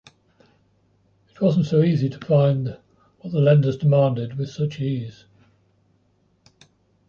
It wasn’t so easy to find what the lenders demanded with such ease.